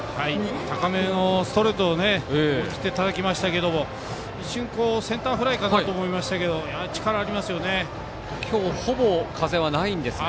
高めのストレートを思い切ってたたきましたけど一瞬、センターフライかなと思いましたけど今日ほぼ風はないんですが。